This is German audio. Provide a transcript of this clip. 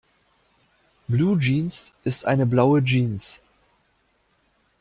Bluejeans ist eine blaue Jeans.